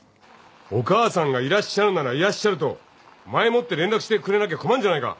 お母さんがいらっしゃるならいらっしゃると前もって連絡してくれなきゃ困んじゃないか。